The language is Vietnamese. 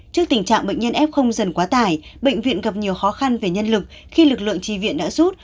trước tình trạng bệnh nhân f dần quá tải bệnh viện gặp nhiều khó khăn về nhân lực khi lực lượng trì viện đã rút